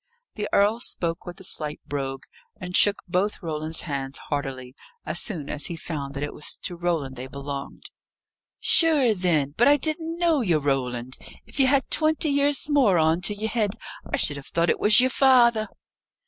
The earl spoke with a slight brogue, and shook both Roland's hands heartily, as soon as he found that it was to Roland they belonged. "Sure then! but I didn't know ye, Roland! If ye had twenty years more on to ye're head, I should have thought it was ye're father."